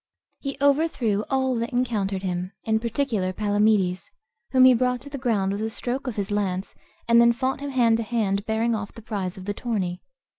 He overthrew all that encountered him, in particular Palamedes, whom he brought to the ground with a stroke of his lance, and then fought him hand to hand, bearing off the prize of the tourney.